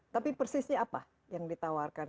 tapi persisnya apa yang ditawarkan